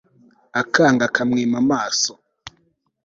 akanga akakwima amaso